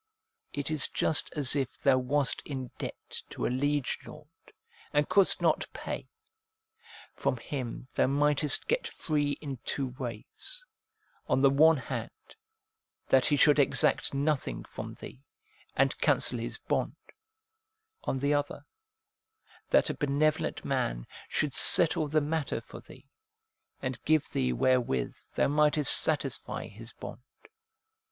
It is just as if thou wast in debt to a liege lord, and couldst not pay. From him thou mightest get free in two ways : on the one hand, that he should exact nothing from thee, and cancel his bond ; on the other, that a benevolent man should settle the matter for thee, and give thee wherewith thou mightest satisfy his bond.